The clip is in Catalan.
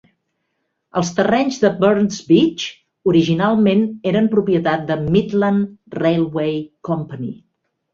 Els terrenys de Burns Beach originalment eren propietat de Midland Railway Company.